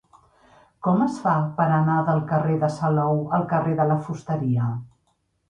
Com es fa per anar del carrer de Salou al carrer de la Fusteria?